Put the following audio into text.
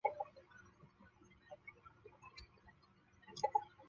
镰仓五山第一位。